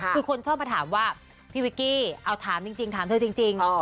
คือคนชอบมาถามว่าพี่วิกกี้เอาถามจริงถามเธอจริง